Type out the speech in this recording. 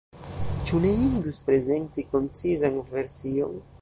Ĉu ne indus prezenti koncizan version?